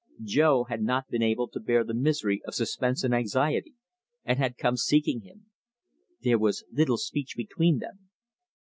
Jo had not been able to bear the misery of suspense and anxiety, and had come seeking him. There was little speech between them.